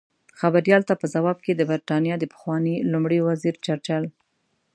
خبریال ته په ځواب کې د بریتانیا د پخواني لومړي وزیر چرچل